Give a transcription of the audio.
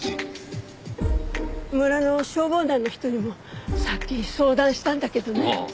村の消防団の人にもさっき相談したんだけどね。